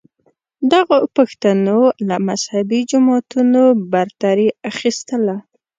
دغو پوښتنو له مذهبې جماعتونو برتري اخیستله